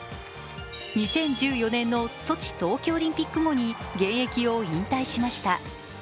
２０１４年のソチ冬季オリンピック後に現役を引退しました。